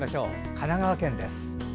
神奈川県です。